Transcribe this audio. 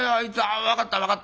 分かった分かった。